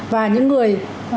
và những người